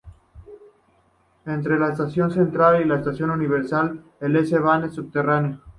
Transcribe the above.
Entre la Estación Central y la estación Universität el S-bahn es subterráneo.